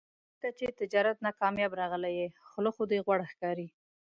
لکه چې تجارت نه کامیاب راغلی یې، خوله خو دې غوړه ښکاري.